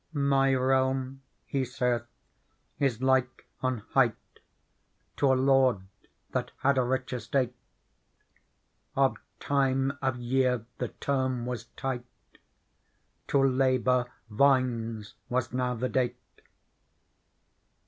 My realm. He saith, is like on height To a lord that had a rich estate ; Of time of year the term was tight,^ To labour vines was now the date.